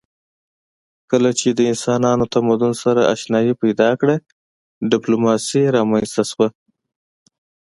کله چې انسانانو تمدن سره آشنايي پیدا کړه ډیپلوماسي رامنځته شوه